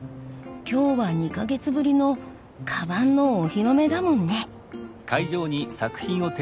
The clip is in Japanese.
今日は２か月ぶりのかばんのお披露目だもんね。